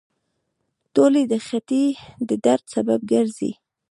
ټولې د خېټې د درد سبب ګرځي.